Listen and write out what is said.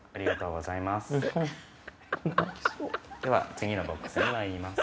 次のボックスにまいります。